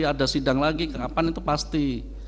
ada sidang lagi kapan itu pasti